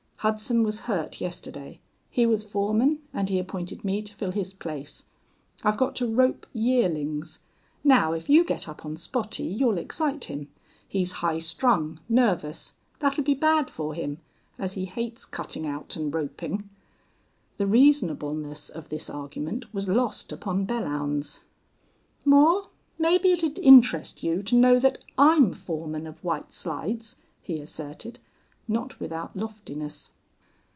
Hudson was hurt yesterday. He was foreman, and he appointed me to fill his place. I've got to rope yearlings. Now, if you get up on Spottie you'll excite him. He's high strung, nervous. That'll be bad for him, as he hates cutting out and roping." The reasonableness of this argument was lost upon Belllounds. "Moore, maybe it'd interest you to know that I'm foreman of White Slides," he asserted, not without loftiness.